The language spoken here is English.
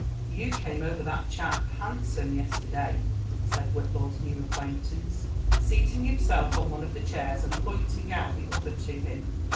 '* You came over that chap handsome yesterday," said Whillaw's new acquaintance, seating himself on one of the chairs and pointing but the other to him.